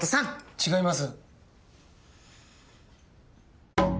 違います。